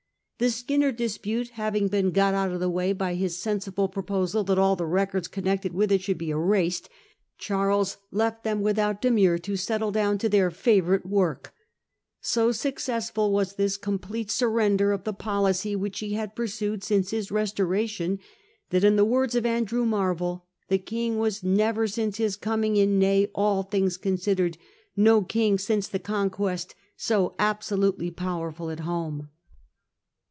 The Skinner dispute having been got out of the way by his sensible proposal that all the records connected with it should be erased, Charles left them without demur to settle down to their favourite work. So successful was 174 Contest regarding Toleration . 167a this complete surrender of the policy which he had pur sued since his restoration that, in the words of Andrew Marvell, * the King was never since his coming in, nay, all things considered, no King since the Conquest, so absolutely powerful at home.